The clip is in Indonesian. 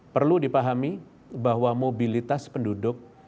perlu dipahami bahwa mobilitas penduduk